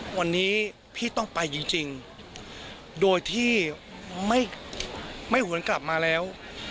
วันนี้พี่ต้องไปจริงโดยที่ไม่หวนกลับมาแล้ว